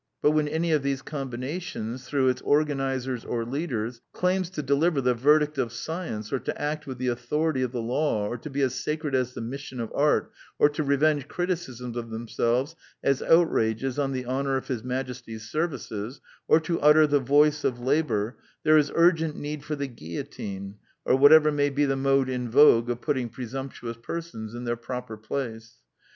But when any of these combinations, through its organizers or leaders, claims to de liver the Verdict of Science, or to act with the Authority of the Law, or to be as sacred as the Mission of Art, or to revenge criticisms of them selves as outrages on the Honor of His Majesty's Services, or to utter the Voice of Labor, there is urgent need for the guillotine, or whatever may be the mode in vogue of putting presumptuous persons in their proper place.